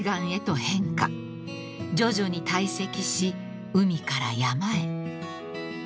［徐々に堆積し海から山へ］